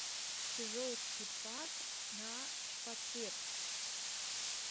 Чыжоўскі парк на шпацыр.